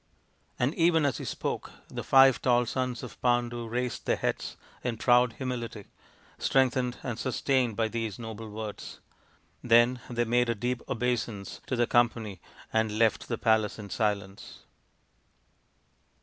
And even as he spoke the five tall sons of Pandu raised their heads in proud humility, strengthened and sustained by these noble words. Then they made a deep obeisance to the company and left the palace in silence.